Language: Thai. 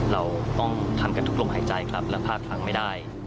เราต้องทำกันทุกลมหายใจครับและพลาดพังไม่ได้